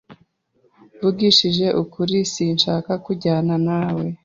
Mvugishije ukuri, sinshaka kujyana nawe.